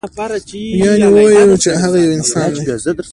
یعنې ووایو چې هغه یو انسان دی.